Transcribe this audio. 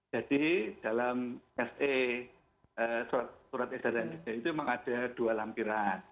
jadi dalam se surat ezn itu memang ada dua lampiran